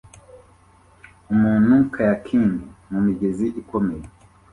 Umuntu kayakiingi mumigezi ikomeye